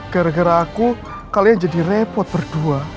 gara gara aku kalian jadi repot berdua